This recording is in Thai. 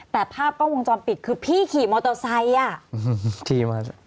แต่ภาพกล้องวงจอมปิดคือพี่ขี่มอเตอร์ไซด์